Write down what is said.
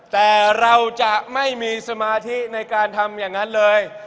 แต่เราจะไม่มีสมาธิในการทำอย่างนั้นเลย